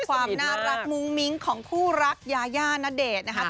ความน่ารักมุ้งมิ้งของคู่รักยายาณเดชน์นะครับ